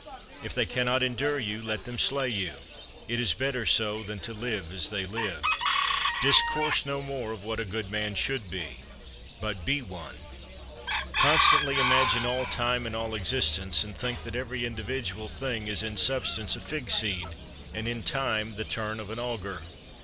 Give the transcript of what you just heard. If they cannot endure you, let them slay you. It is better so than to live as they live. 16. Discourse no more of what a good man should be; but be one. 17. Constantly imagine all time and all existence; and think that every individual thing is in substance a fig seed, and in time the turn of an auger.